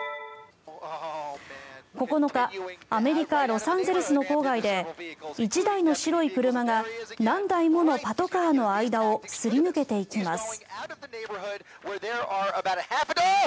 ９日アメリカ・ロサンゼルスの郊外で１台の白い車が何台ものパトカーの間をすり抜けていきます。